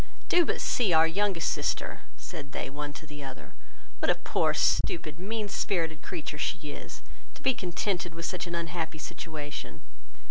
"Do but see our youngest sister, (said they one to the other,) what a poor, stupid mean spirited creature she is, to be contented with such an unhappy situation."